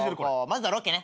まずはロケね。